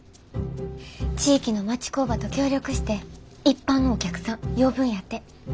地域の町工場と協力して一般のお客さん呼ぶんやて。